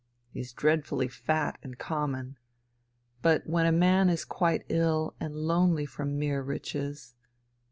He's dreadfully fat and common. But when a man is quite ill and lonely from mere riches